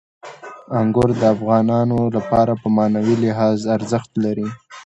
انګور د افغانانو لپاره په معنوي لحاظ ارزښت لري.